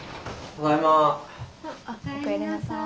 お帰りなさい。